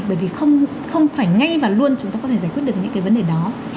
bởi vì không phải ngay và luôn chúng ta có thể giải quyết được những cái vấn đề đó